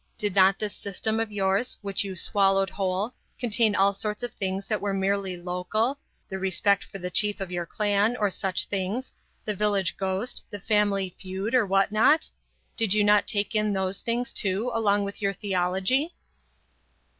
Did not this system of yours, which you swallowed whole, contain all sorts of things that were merely local, the respect for the chief of your clan, or such things; the village ghost, the family feud, or what not? Did you not take in those things, too, along with your theology?"